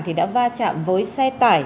thì đã va chạm với xe tải